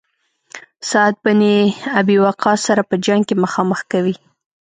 سعد بن ابي وقاص سره په جنګ کې مخامخ کوي.